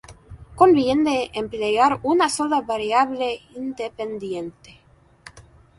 Conviene emplear una sola variable independiente.